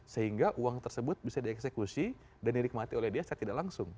sehingga uang tersebut bisa dieksekusi dan dinikmati oleh dia secara tidak langsung